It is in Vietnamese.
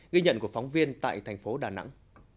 ghi nhận của phóng viên tại thành phố đà nẵng